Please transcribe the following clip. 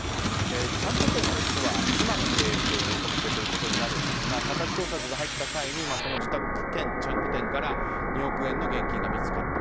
ちゃんこ店は実は妻が経営しているお店ということになるんですが家宅捜索が入った際に自宅兼ちゃんこ店から２億円の現金が見つかった。